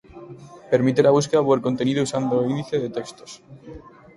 Permite la búsqueda por contenido usando índice de textos.